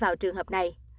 vào trường hợp này